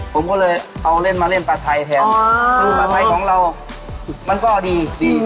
ผมก็เลยเอาเล่นมาเล่นปลาไทยแทนซึ่งปลาไทยของเรามันก็ดีดี